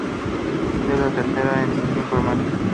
Es la tercera entre cinco hermanos.